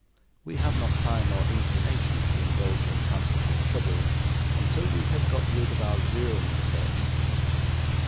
We have not time or inclination to indulge in fanciful troubles until we have got rid of our real misfortunes.